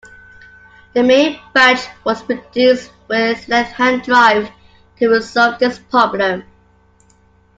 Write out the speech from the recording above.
The main batch was produced with left-hand drive to resolve this problem.